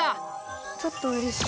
ちょっとうれしい。